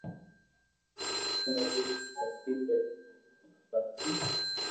ودئي ھين ترقي ڪرئي او مون آيا واري